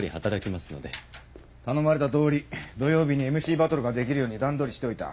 頼まれたとおり土曜日にＭＣバトルができるように段取りしといた。